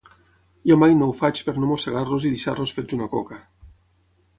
Jo mai no ho faig per no mossegar-los i deixar-los fets una coca.